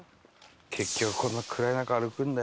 結局この暗い中歩くんだよ。